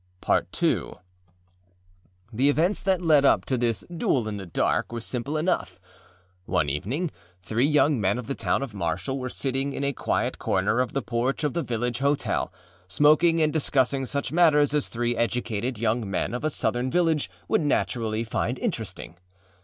II The events that led up to this âduel in the darkâ were simple enough. One evening three young men of the town of Marshall were sitting in a quiet corner of the porch of the village hotel, smoking and discussing such matters as three educated young men of a Southern village would naturally find interesting.